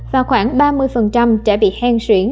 và khoảng ba mươi trẻ bị hèn xuyển